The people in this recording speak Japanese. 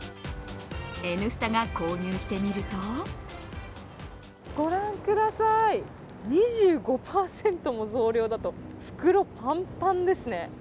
「Ｎスタ」が購入してみると御覧ください、２５％も増量だと袋パンパンですね。